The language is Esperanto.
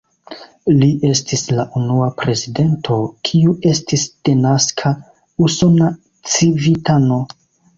Li estis la unua prezidento, kiu estis denaska usona civitano.